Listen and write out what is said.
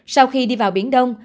sau khi đi vào biển đông